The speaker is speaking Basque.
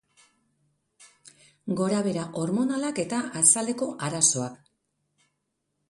Gorabehera hormonalak eta azaleko arazoak.